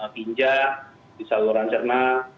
pinjah di saluran cerna